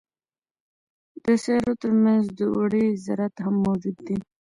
د سیارو ترمنځ دوړې ذرات هم موجود دي.